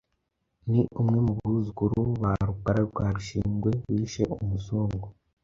ni umwe mu buzukuru ba Rukara rwa Bishingwe wishe umuzungu